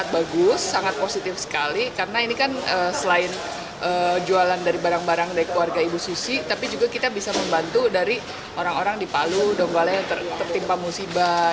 barang dari keluarga ibu susi tapi juga kita bisa membantu dari orang orang di palu donggala yang tertimpa musibah